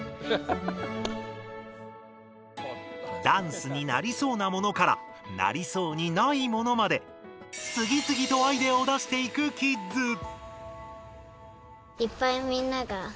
ダンスになりそうなものからなりそうにないものまで次々とアイデアを出していくキッズ。